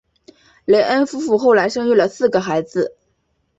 雷恩夫妇后来生育了四个孩子。